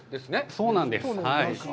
そうなんです。